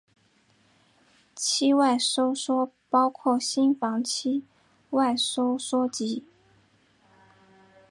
期外收缩包括心房期外收缩及。